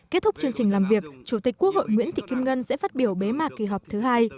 kết thúc chương trình làm việc chủ tịch quốc hội nguyễn thị kim ngân sẽ phát biểu bế mạc kỳ họp thứ hai